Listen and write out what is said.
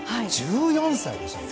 １４歳でしょ。